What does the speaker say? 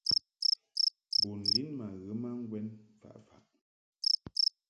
Bun lin ma ghə ma ŋgwɛn mfaʼ faʼ.